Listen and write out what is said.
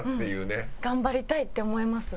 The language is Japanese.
頑張りたいって思います。